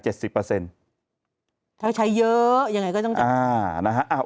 ถ้าใช้เยอะยังไงก็ต้องจ่ายนะฮะ